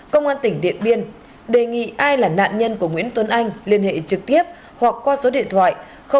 công an tỉnh điện biên đề nghị ai là nạn nhân của nguyễn tuấn anh liên hệ trực tiếp hoặc qua số điện thoại